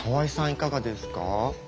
いかがですか？